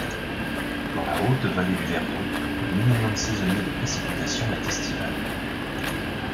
Dans la haute vallée du Verdon, le minimum saisonnier de précipitations est estival.